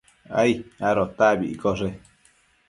ai adota abi iccoshe